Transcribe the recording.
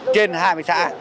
trên hai mươi xã